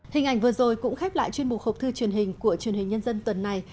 hình ảnh vừa rồi cũng khép lại chuyên mục hộp thư truyền hình của truyền hình nhân dân tuần này